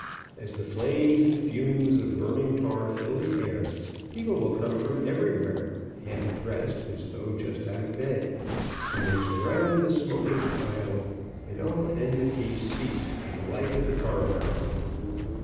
As the flames and fumes of burning tar fill the air, people will come from everywhere, half dressed, as though just out of bed, and they surround the smoking pile and all en mities cease in the light of the tar barrel.